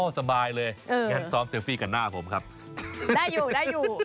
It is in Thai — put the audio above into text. สบายเลยงั้นซ้อมเลฟี่กับหน้าผมครับได้อยู่ได้อยู่